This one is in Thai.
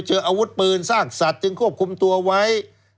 เจออาวุธปืนซากสัตว์จึงควบคุมตัวไว้